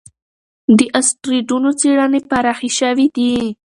د اسټروېډونو څېړنې پراخې شوې دي.